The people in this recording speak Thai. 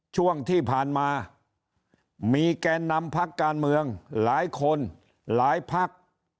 ช่วงที่ผ่านมามีแกนนำพักการเมืองหลายคนหลายพัก